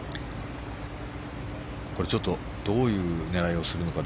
ちょっとどういう狙いをするのか。